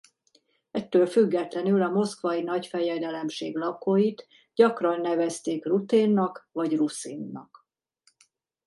Ettől függetlenül a Moszkvai Nagyfejedelemség lakóit gyakran nevezték ruténnak vagy ruszinnak.